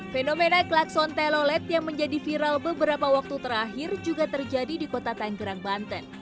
fenomena klakson telolet yang menjadi viral beberapa waktu terakhir juga terjadi di kota tanggerang banten